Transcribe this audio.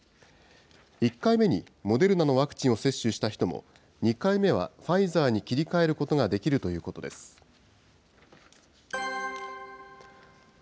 １回目にモデルナのワクチンを接種した人も、２回目はファイザーに切り替えることができるということです。